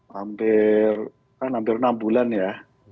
hampir kan hampir enam bulan ya